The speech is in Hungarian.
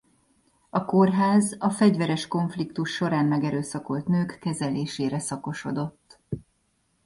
A kórház a fegyveres konfliktus során megerőszakolt nők kezelésére szakosodott.